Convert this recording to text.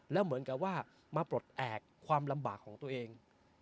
แล้วเหมือนกับว่ามาปลดแอบความลำบากของตัวเอง